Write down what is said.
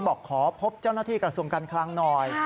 บอกขอพบเจ้าหน้าที่กระทรวงการคลังหน่อย